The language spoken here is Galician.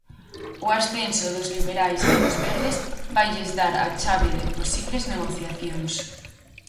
O ascenso dos liberais e dos verdes vailles dar a chave de posibles negociacións.